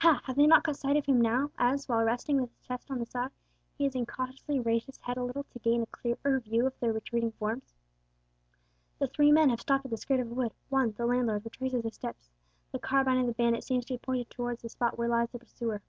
have they not caught sight of him now, as, while resting his chest on the sod, he has incautiously raised his head a little to gain a clearer view of their retreating forms? The three men have stopped at the skirt of a wood; one, the landlord, retraces his steps; the carbine of the bandit seems to be pointed towards the spot where lies the pursuer.